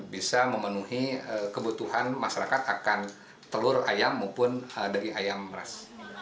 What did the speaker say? bisa memenuhi kebutuhan masyarakat akan telur ayam maupun dari ayam beras